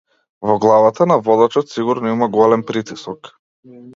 Во главата на водачот сигурно има голем притисок.